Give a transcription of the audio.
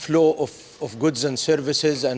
peluang barang dan perusahaan